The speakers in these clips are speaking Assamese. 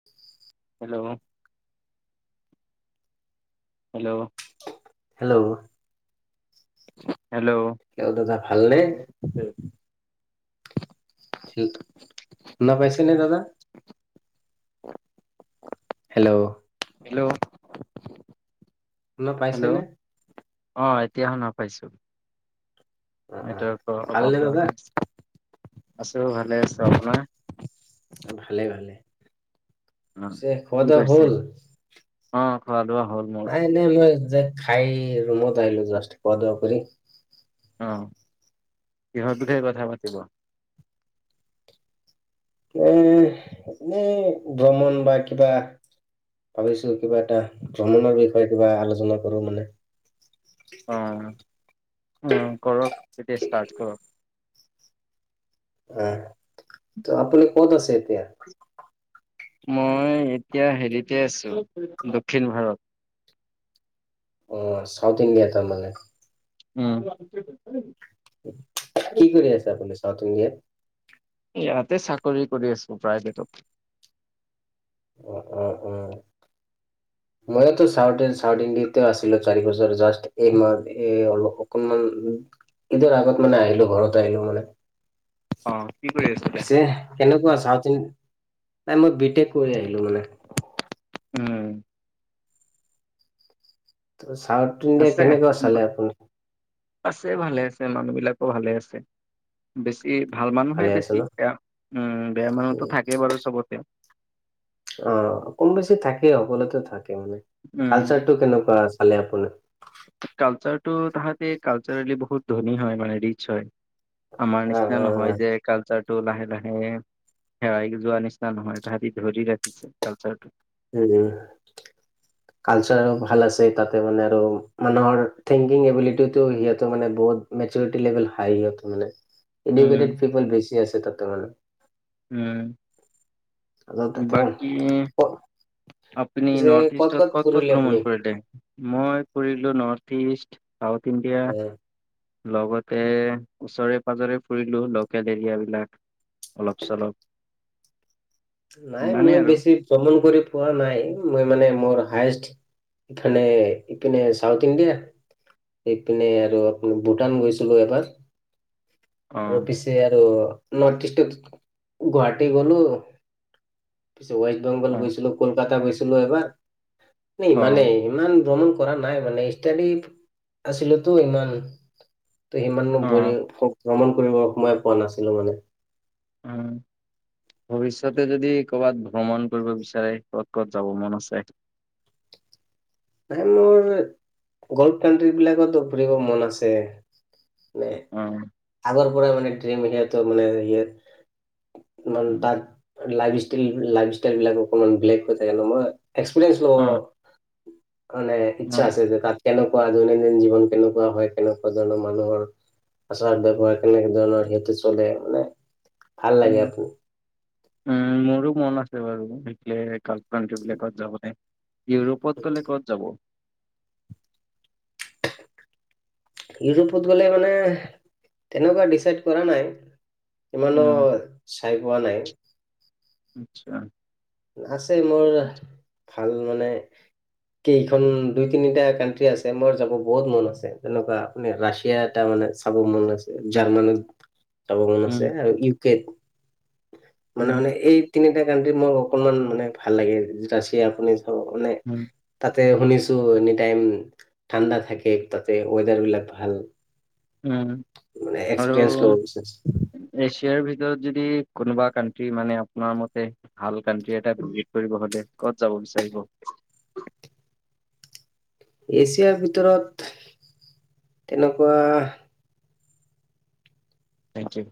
[inaudible] হেল্ল'। হেল্ল'। হেল্ল'। হেল্ল'। কি হ'ল দাদা ভালনে? শুনা পাইছেনে দাদা? হেল্ল'। হেল্ল'। শুনা হেল্ল'। পাইছেনে অ' এতিয়া শুনা পাইছোঁ। অ অ নেটৱৰ্কৰ অলপ ভালনে দাদা আপডাউন হৈছে। আছোঁ ভালে আছোঁ, আপোনাৰ? ভালে ভালে। অ পিছে কি খোৱা দোৱা কৰিছে হ'ল? অ' খোৱা দোৱা হ'ল। মোৰ এনে মই যে খাই ৰুমত আহিলোঁ জাষ্ট খোৱা দোৱা কৰি। অ' কিহৰ বিষয়ে কথা পাতিব? এ, এনেই ভ্ৰমণ বা কিবা ভাবিছোঁ কিবা এটা ভ্ৰমণৰ বিষয়ে কিবা আলোচনা কৰোঁ মানে। অ', অ' কৰক তেতিয়া ষ্টাৰ্ট কৰক। অ' তে আপুনি ক'ত আছে এতিয়া? মই এতিয়া হেৰিতে আছোঁ দক্ষিণ ভাৰত। অ' চাউথ ইণ্ডিয়া তাৰমানে। উম। কি কৰি আছে আপুনি চাউথ ইণ্ডিয়াত? ইয়াতে চাকৰি কৰি আছোঁ প্ৰাইভেটত। উ, উম, উম। ময়োতো চাউথ চাউথ ইণ্ডিয়াতে আছিলোঁ চাৰি বছৰ, জাষ্ট এই মাহ অলপ কুৰ্ণাল, ঈদৰ আগত মানে আহিলোঁ, ঘৰত আহিলোঁ মানে। অ' কি কৰি আছিলে? পিছে কেনেকুৱা চাউত ইন, নাই মই বি টেক কৰি আহিলোঁ মানে। উম। তে চাউথ ইণ্ডিয়া আছে, কেনেকুৱা চালে আপুনি আছে ভালে আছে, মানুহবিলাকো ভালে আছে। বেছি ভাল মানুহে ভালে আছে বেছি, ন এ, উম, বেয়া মানুহো উম, থাকেই বাৰু চবতে। অ' কম বেছি থাকেই, সকলোতে থাকে মানে, উম কালচাৰটো কেনেকুৱা চালে আপুনি? কালচাৰটো তাহাঁতে কালচাৰেলি বহুত ধনী হয় মানে ৰিচ হয়। আমাৰ অ নিচিনা অ অ নহয় যে কালচাৰটো লাহে লাহে হেৰাই যোৱা নিচিনা নহয়, তাহাঁতি ধৰি ৰাখিছে কালচাৰটো। উ কালচাৰো ভাল আছে তাতে মানে আৰু মানুহৰ থিংকিং এবিলিটিটো সিহঁতৰ মানে বহুত। মেচ'ৰিটি লেভেল হাই ইয়াত মানে, উম এডুকেটেড পিপ'ল বেছি আছে তাতে মানে। উম অলপ তাতে বাকী আপুনি পিছে নৰ্থ ইষ্টত ক'ত ক'ত ফুৰিলে ভ্ৰমণ আপুনি? কৰিলে? মই কৰিলোঁ নৰ্থ ইষ্ট চাউত ইণ্ডিয়া। অ', লগতে ওচৰে পাজৰে ফুৰিলোঁ ল'কেল এৰিয়াবিলাক। অলপ চলপ। নাই ইমানেই মই আৰু বেছি ভ্ৰমণ কৰি পোৱা নাই, মই মানে মোৰ হায়ষ্ট ইফালে ইপিনে ছাউথ ইণ্ডিয়া এইপিনে আৰু আ, ভূটান গৈছিলোঁ এবাৰ। অ আৰু পিছ আৰু নৰ্থ ইষ্টত গুৱাহাটী গলো বেংগল অ গৈছিলোঁ, কলকাতা গৈছিলোত এবাৰ, ন' অ ইমানেই। ইমান ভ্ৰমণ কৰা নাই মানে ষ্টাডি আছিলোতো ইমান ত' সিমান অ ভৰি, ভ্ৰমণ কৰিব সময়ে পোৱা নাছিলো মানে। উম। ভৱিষ্যতে যদি ক'ৰবাত ভ্ৰমণ কৰিব বিচাৰে ক'ত ক'ত যাব মন আছে? মানে মোৰ গল্ফ কাউন্ট্ৰীবিলাকতো ফুৰিব মন আছে। মে অ আগৰপৰা মানে ড্ৰিম সিহঁতৰ মানে ইয়া ম উম তাত লাইফ ষ্টাইল, লাইফ ষ্টাইলবিলাক অকমান ব্লেক হৈ থাকে নহয়? এক্সপেৰিয়েন্স অ ল'। মানে অ ইচ্ছা আছে যে তাত কেনেকুৱা দৈনন্দিন জীৱন কেনেকুৱা হয়, কেনেকুৱা ধৰণৰ মানুহৰ আচাৰ বৱহাৰ কেনেকা ধৰণৰ সেইটো চলে মানে ভাল লাগে উম আকি। উম, মোৰো মন আছে বাৰু ইফলে ক্ৰাণ্ট কাউন্ট্ৰীবিলাকত যাবলে। ইউৰোপত গ'লে ক'ত যাব? [inaudible] ইউৰোপত গ'লে মানে তেনেকুৱা ডিচাইড কৰা নাই। ইমানো উম চাই পোৱা নাই। আচ্ছা। আছে মোৰ ভাল মানে কেইখন দুই তিনিটা কানট্ৰি আছে, মোৰ যাব বহুত মন আছে তেনেকুৱা। মানে ৰাছিয়া এটা মানে চাব মন আছে, জাৰ্মানী চাব মন উম আছে আৰু ইউ কেত। মানে, উম মানে, এই তিনিটা কাানট্ৰি মোৰ অকনমান মানে ভাল লাগে, ৰাছিয়া আপুনি অ, নাই। উম তাতে শুনিছো এনি টাইম ঠাণ্ডা থাকে, তাতে ৱেডাৰ বিলাক ভাল। উম, মানে আৰু এক্সপিৰিয়েন্ঞ্চ ল'ব বি এছিয়াৰ ভিতৰত যদি কোনোবা কাানট্ৰি মানে আপোনাৰ মতে ভাল কাণ্ট্ৰি এটা ভিজিট কৰিব হ'লে ক'ত যাব বিচাৰিব। এছিয়াৰ ভিতৰত তেনেকুৱা থেংক ইউ।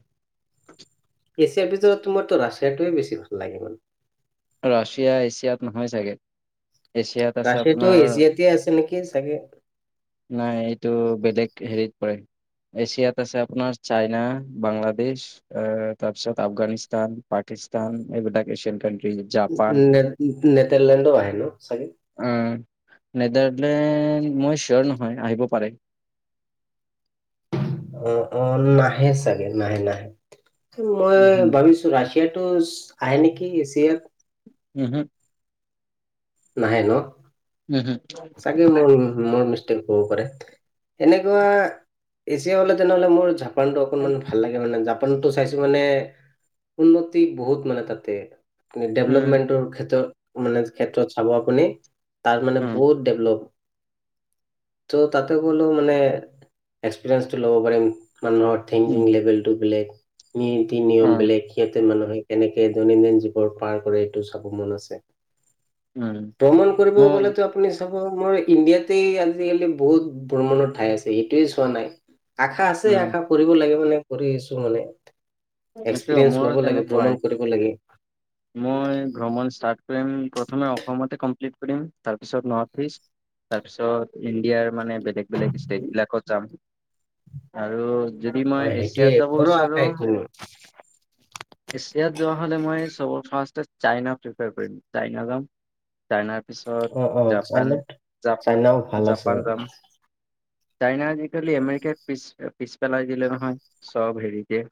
এছিয়াৰ ভিতৰত তোমাৰতটো ৰাছিয়াতোৱে বেছি ভাল লাগে মানে। ৰাছিয়া এছিয়াত নহয় চাগে। এছিয়াত আছে ৰাছেটো আপোনাৰ এজিয়াতে আছে নেকি চাগে। নাই এইটো বেলেগ হেৰিত পৰে। এছিয়াত আছে আপোনাৰ চাইনা, বাংলাদেশ। আহ, তাৰপিছত আফগানিস্তান, পাকিস্তান, এইবিলাক এছিয়ান কানট্ৰি। নে, নেদৰলেণ্ডো আহ ন চাগি। উম, নেডাৰলেণ্ড মই চিয়ৰ নহয় আহিব পাৰে। অ, অ, নাহে চাগে নাহে নাহে মই উহু ভাবিছো। ৰাছিয়া টো আহে নেকি এছিয়াত। উম, হম। নাহে ন। হয়, উম। চাগে মোৰ মোৰ মিষ্টেক হ'ব পাৰে এনেকুৱা। এছিয়া হ'লে তেনেহ'লে মোৰ জাপানটো অকনমান ভাল লাগে মানে জা নটো, চাইছো মানে উন্নতি বহুত মানে তাতে। উম ডেভলপমেণ্টৰ ক্ষেত্ৰত মানে ক্ষেত্ৰত চাব আপুনি, তাৰ মানে উম বহুত ডেভলপ [unintelligible] ত' তাতে গ'লেও মানে এক্সপিৰিয়েঞ্চটো ল'ব পাৰিম মানুহৰ উম থিংকিং লেভেলটো বেলেগ, নীতি অ নিয়ম বেলেগ। সিহঁতে মানুহে কেনেকে দৈনন্দিন জীৱন পাৰ কৰে, এইটো চাব মন আছে। উম উম ভ্ৰমণ কৰিব মোৰ গ'লেতো আপো আপুনি চাব মই ইণ্ডিয়াতে আজিকালি বহুত ভ্ৰমণৰ ঠাই আছে, সেইটোৱে চোৱা নাই। আশা আছে উম আশা কৰিব লাগে, মানে কৰি আছো আৰু এইটো এক্সপিৰিয়েঞ্চ মোৰো ল'ব লাগে, তেনেকুৱাই। ভ্ৰমণ কৰিব লাগে। মই ভ্ৰমণ ষ্টাৰ্ট কৰিম, প্ৰথমে অসমতে কমপ্লিট কৰিম তাৰপিছত নৰ্থ ইষ্ট। তাৰপিছত ইণ্ডিয়াৰ মানে বেলেগ বেলেগ ষ্টেট বিলাকত যাম, আৰু যদি অ মই সেইটোয়ে এছিয়াত যাব মোৰো আশা বিচাৰো এইটো এছিয়াত যোৱা হ'লে মই চ, ফাৰ্ষ্ট চাইনা প্ৰিফাৰ কৰিম, চাইনা যাম। চাইনাৰ অ অ পিছত জাপান, চাইনাত চাইনাও ভাল আছে জাপা-জাপান যাম। চাইনা আজিকালি আমেৰিকাই পিছ-পিছ পেলাই দিলে নহয় চ'ব হেৰিতে।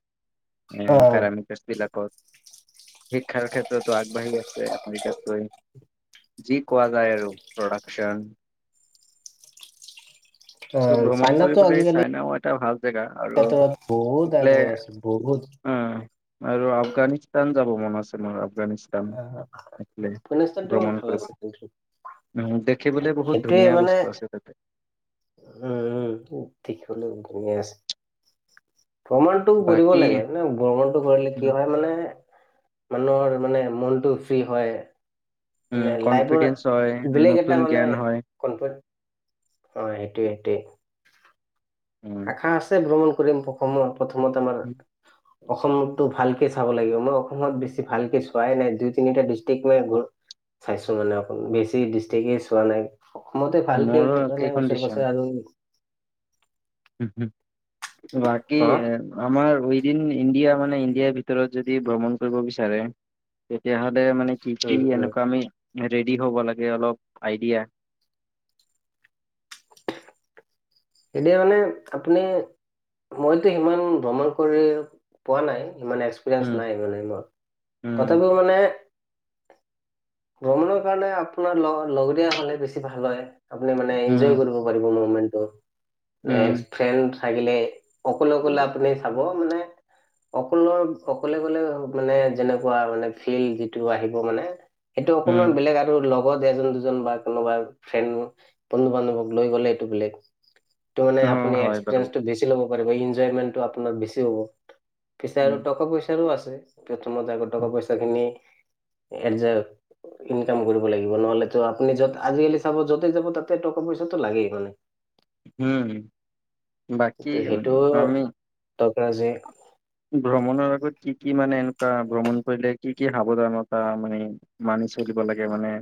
এ, অ পেৰামিটাৰ [inaudible] শিক্ষাৰ ক্ষেত্ৰতো আগবাঢ়ি আছে আমেৰিকাতকৈ। যি কোৱা যায় আৰু প্ৰডাকচন। অ চৌ, ভ্ৰমণ চাইনাতো কৰিবলৈ আজিকালি চাইনাও এটা ভাল জেগা আৰু, ক্ষেত্ৰত বহুত এফালে আগুৱাই আছে বহুত উম, আৰু আফগানিস্তান যাব মন আছে, মোৰ আফগানি [unintelligible] আফগানিস্তানটো ভ্ৰমণ ভাল কৰিব। আছে কিন্তু উম, দেখিবলৈ বহুত সেইটোৱে ধুনীয়া মানে বস্তু আছে তাতে। উম, উম, দিখিবলৈ ধুনীয়া আছে। ভ্ৰমণতটো কৰিব বাকী লাগে মানে ভ্ৰমণতটো কৰিলে উম কি হয় মানে, মানুহৰ মানে মনটো ফ্ৰী হয়, উম মানে লাইফৰ কনফিডেন্স হয় বেলেগ নতুন এটা মানে জ্ঞান হয় কণফৰ্ট অ', সেইটোৱে, সেইটোৱেই। উম আশা আছে ভ্ৰমণ কৰিম, অসমত প্ৰথমত আমাৰ। অসমতো ভালকে চাব লাগিব। মই অসমত বেছি ভালকে চোৱাই নাই, দুই, তিনিটা ডিষ্ট্ৰিক্ট মই চাইছো মানে অকল, বেছি ডিষ্ট্ৰিকে চোৱা নাই। অসমতে ভালকে মোৰো একেই মানে ওচৰে কণ্ডিচন পাছৰে আৰু। বাকী হা আমাৰ উইদিন ইণ্ডিয়া, মানে ইণ্ডিয়াৰ ভিতৰত যদি ভ্ৰমণ কৰিব বিচাৰে তেতিয়া হ'লে মানে কি, কি, উম উম এনেকুৱা আমি ৰেডি হ'ব লাগে অলপ আইডিয়া। এতিয়া মানে আপুনি মইতো সিমান ভ্ৰমণ কৰি পোৱা নাই, ইমান এক্স উম পেৰিইঞ্চে নাই মানে মোৰ, উম তথাপিও মানে ভ্ৰমণৰ কাৰণে আপোনাৰ লগ লগৰীয়া হ'লে বেছি ভাল হয়, আপুনি মানে এনজয় উম কৰিব। পাৰিব মমেণ্টটো, উম নেক্সট ফ্ৰেণ্ড থাকিলে। অকলে, অকলে আপুনি চাব, মানে অকলৰ অকলে গ'লে মানে, যেনেকুৱা মানে ফিল্ড যিটো আহিব মানে। সেইটো উম অকমান বেলেগ আৰু লগ লগত এজন, দুজন বা কোনোবা ফ্ৰেণ্ড বন্ধু-বান্ধৱক লৈ গ'লে, এইটো বেলেগ। টো, মানে অ আপুনি হয় বাৰু এক্সপিৰিয়েঞ্চটো বেছি ল'ব পাৰিব, এনজয়মেন্টো আপোনাৰ বেছি হ'ব। পিছে উম আৰু টকা-পইচাৰো আছে, প্ৰথমত আগত টকা- পইচা খিনি এনজয় ইনকাম কৰিব লাগিব। নহ'লে ত' আপুনি য'ত আজিকালি চাব য'তে যাব, তাতে টকা পইচাটো লাগেই মানে। হম, বাকী আমি। টকা যে ভ্ৰমণৰ আগত কি, কি মানে এনেকুৱা ভ্ৰমণ কৰিলে কি, কি সাৱধানতা মানে মানি চলিব লাগে, মানে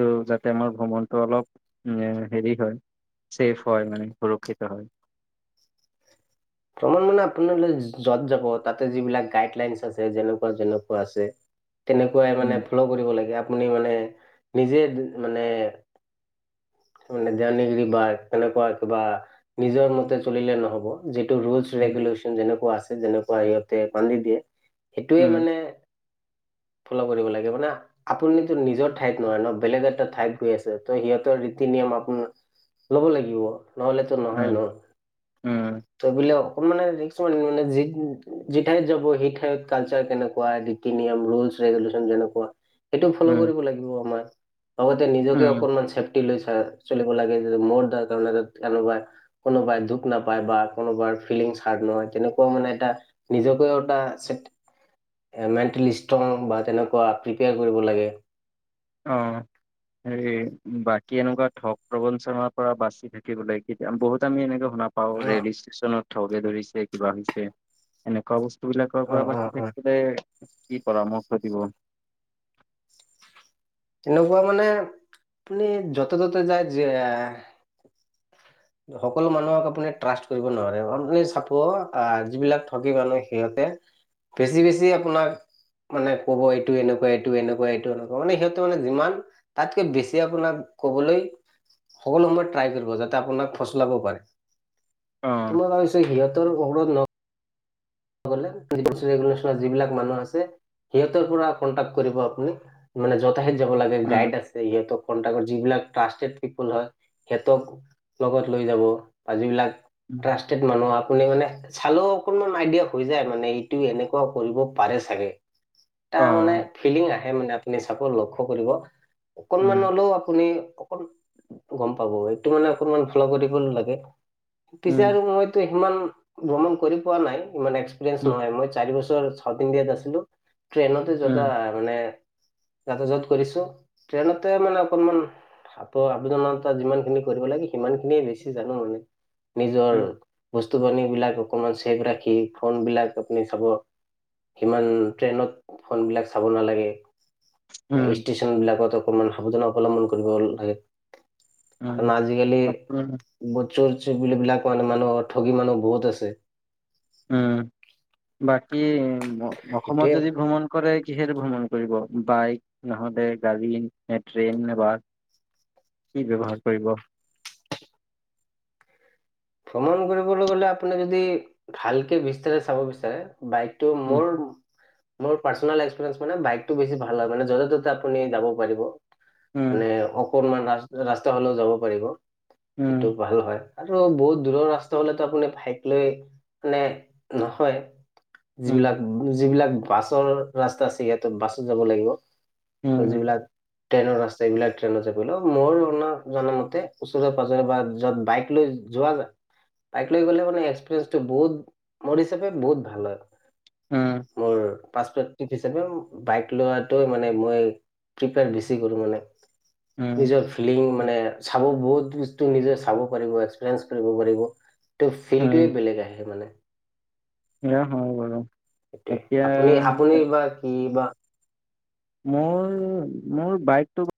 ত' যাতে আমাৰ ভ্ৰমণটো অলপ হেৰি হয়। চেফ হয়, মানে সুৰক্ষিত হয়। ভ্ৰমণ মানে আপোনালৈ য'ত যাব, তাতে যিবিলাক গাইডলাইন আছে যেনেকুৱা, যেনেকুৱা আছে তেনেকুৱাই মানে উম ফ'লো কৰিব লাগে। আপুনি মানে নিজে মানে মানে [unintelligible] বা তেনেকুৱা কিবা নিজৰ মতে চলিলে নহ'ব। যে ৰুলছ, উম ৰেগুলেশন যেনেকুৱা আছে, যেনেকুৱা সিহঁতে বান্ধি দিয়ে, সেইটোয়ে উম মানে ফ'লো কৰিব লাগে মানে। আপুনিতো নিজৰ ঠাইত নহয় ন', বেলেগ এটা ঠাইত গৈ আছে, ত' সিহঁতৰ ৰীতি-নিয়ম আপোন ল'ব লাগিব নহ'লেতো নহয় উম ন'। উম। ত' বোলে অকমান মানে, [unintelligible] যি ঠাইত যাব, সেই ঠাইত কালচাৰ কেনেকুৱা। নীতি-নিয়ম, ৰুল-ৰেগুলেশচন যেনেকুৱা। সেইটো ফ'ল' উম কৰিব লাগিব আমাৰ। লগতে নিজকে উম অকণমান চেফ টি লৈ চাই চলিব লাগে, য মোৰ দাৰ কাৰণে কোনোবাই, কোনোবাই দুখ নাপায় বা কোনোবাৰ ফিলিংছ হাৰ্ট নহয়। তেনেকুৱা মানে এটা নিজকে এটা মেণ্টেলি ষ্ট্ৰং বা তেনেকুৱা প্ৰিপেয়াৰ কৰিব লাগে। অ'। হেই বাকী এনেকুৱা ঠগ, প্ৰবঞ্চনাৰ পৰা বাচি থাকিবলৈ কেতিয়া বহুত আমি এনে শুনা পাওঁ, অ', ৰেল ষ্টেচনত থকে ধৰিছে, কিবা হৈছে এনেকুৱা বস্তু সেইবিলাকৰ পৰা অ', অ', বাচি অ'। থাকিবলে কি পৰামৰ্শ দিব। তেনেকুৱা মানে আপুনি, যতে-ত'তে যায় যে। সকলো মানুহক আপুনি ট্ৰাষ্ট কৰিব নোৱাৰে। আপুনি চাব, আহ যিবিলাক ঠগি মানুহ সিহঁতে বেছি, বেছি আপোনাক মানে ক'ব। এইটো এনেকুৱা, এইটো এনেকুৱা, এইটো এনেকুৱা, মানে সিহঁতে মানে যিমান তাতকৈ বেছি আপোনাক কবলৈ সকলো সময়ত ট্ৰাই কৰিব। যাতে আপোনাক ফুচুলাব পাৰে, অ তোমাৰ হৈছে সিহঁতৰ [unintelligible] [unintelligible] যিবিলাক মানুহ আছে। সিহঁতৰ পৰা কনন্টাক কৰিব আপুনি মানে যতাহত যাব লাগে উম গাইড আছে সিহঁত কন্টা যিবিলাক ট্ৰাষ্টড পিপল হয় সিহঁতক লগত লৈ যাব বা যিবিলাক উম ট্ৰাষ্টেড মানুহ আপুনি মানে চালেও অকনমান আইডিয়া হৈ যায় মানে এইটো এনেকুৱা কৰিব পাৰে চাগে অ তাৰ মানে ফিলিং আহে মানে আপুনি চাক লক্ষ্য কৰিব উম অকনমান হ'লেও আপুনি অক গ'ম পাব এইটো মানে অকনমান ফলা কৰিব নালাগে পিছে আৰু মইতো সিমান ভ্ৰমণ কৰি পোৱা নাই ইমান এক এক্সপিৰিয়েনচ নহয় মই চাৰি বছৰ চাউঠ ইণ্ডিয়াত আছিলো ট্ৰেইন যোতা মানে আ তাতে য'ত কৰিছোঁ ট্ৰেইনতে মানে অকমান আপ আবনতা জন যিমান খিনি কৰিব লাগে সিমান খিনিয়ে বেছি জানো আৰু নিজৰ বস্তু পানী বিলাক অকমান ছেভ ৰাখি ফোন বিলাক আপুনি চাব সিমান ট্ৰেইনত ফোনবিলাক চাব নালাগে। ষ্টেচন বিলাকত অকনমান সাৱধানা অৱলম্বন কৰিব লাগে। কাৰণ আজিকালি আপোনাৰ [unintelligible] চুৰ চিবিলাক মানে মানুহ ঠগি মানুহ বহুত আছে। উম বাকী অসমত সেইটোৱে যদি ভ্ৰমণ কৰে কিহেৰে ভ্ৰমণ কৰিব বাইক নহলে গাড়ী ন ট্ৰেইন নে বা কি ব্যৱহাৰ কৰিব? ভ্ৰমণ কৰিবলৈ গ'লে আপুনি যদি ভালকে বিস্তাৰে চাব বিচাৰে বাইকটো উম মোৰ মোৰ পাৰ্চনেল এক্সপিৰিয়েনচ মানে বাইকটো বেছি ভাল হয় মানে যতে ততে আপুনি যাব পাৰিব। উম মানে অকনমান ৰাস্তা হ'লেও যাব পাৰিব সেইটো উম ভাল হয়। আৰু বহুত দূৰৰ ৰাস্তা হলেতো আপুনি ভাইক লৈ মানে নহয় যিবিলাক উম যিবিলাক বাছৰ ৰাস্তা আছে ইয়াতে বাছত যাব লাগিব। উম যিবিলাক ট্ৰেইনৰ ৰাস্তা এইবিলাক ট্ৰেইনত যাব লাগিব মোৰ মইনা জনা মতে ওচৰে পাজৰে বা যত বাইক লৈ যোৱা যায় বাইক লৈ গ'লে মানে এক্সপিৰিয়েন্ঞ্চটো বহুত মোৰ হিচাপে বহুত ভাল হয়। উম। মোৰ পা হিচাপে বাইক লোৱাটোৱ মানে মই প্ৰি পেপাৰ বেছি কৰোঁ মানে। উম নিজৰ ফিলিং মানে চাব বহুতবস্ত নিজে চাব পাৰিব এক্সপিৰিয়েঞ্চ কৰিব পাৰিব। ত' ফিল্ড য়ে উম বেলেগ আহে মানে। এয়া হয় বাৰু, এতিয়া হয়‌ কি বা। মোৰ মোৰ বাইকটো